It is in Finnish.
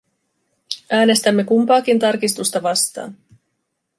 Äänestämme kumpaakin tarkistusta vastaan.